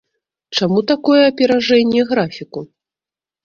Чаму такое аперажэнне графіку?